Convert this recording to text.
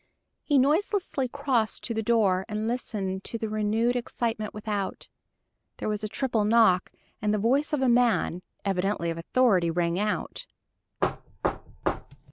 He noiselessly crossed to the door and listened to the renewed excitement without. There was a triple knock, and the voice of a man, evidently of authority, rang out.